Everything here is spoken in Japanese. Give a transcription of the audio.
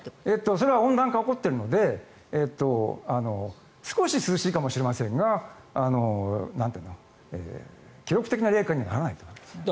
それは温暖化が起こっているので少し涼しいかもしれませんが記録的な冷夏にはならないと思いますね。